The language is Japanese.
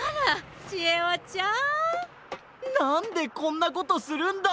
なんでこんなことするんだ！？